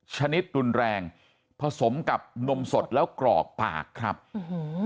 ชนิดรุนแรงผสมกับนมสดแล้วกรอกปากครับอื้อหือ